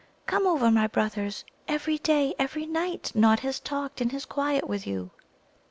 Come over, my brothers! Every day, every night, Nod has talked in his quiet with you."